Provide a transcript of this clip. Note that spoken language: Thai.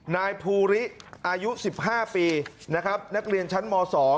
นายภูริอายุ๑๕ปีนักเรียนชั้นม๒